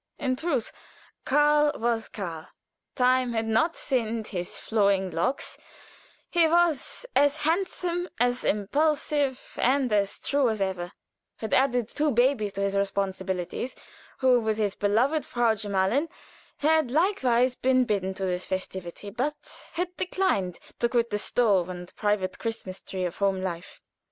In truth, Karl was Karl. "Time had not thinned his flowing locks;" he was as handsome, as impulsive, and as true as ever; had added two babies to his responsibilities, who, with his beloved Frau Gemahlin, had likewise been bidden to this festivity, but had declined to quit the stove and private Christmas tree of home life.